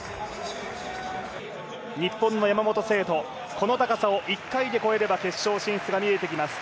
日本の山本聖途、この高さを１回で越えれば決勝進出が見えてきます。